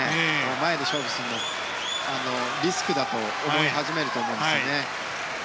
前で勝負するのがリスクだと思い始めると思うんですね。